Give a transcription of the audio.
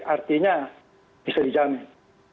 artinya bisa dijamin